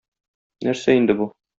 Нәрсә инде бу?